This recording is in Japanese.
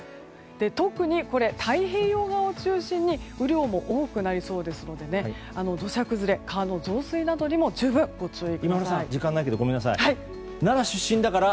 特に、太平洋側を中心に雨量も多くなりそうですので土砂崩れ、川の増水などにも十分お気を付けください。